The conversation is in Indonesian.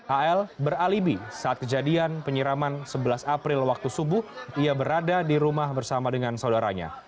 al beralibi saat kejadian penyiraman sebelas april waktu subuh ia berada di rumah bersama dengan saudaranya